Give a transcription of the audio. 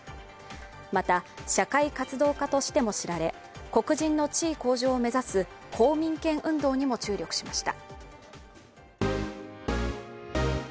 また、社会活動家としても知られ、黒人の地位向上を目指す公民権運動にも注力しました。